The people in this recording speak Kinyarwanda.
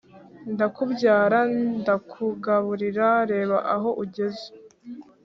ndakubyara ndakugaburira reba aho ugeze